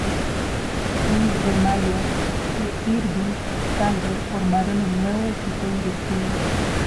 Louis B. Mayer e Irving Thalberg formaron el nuevo equipo directivo.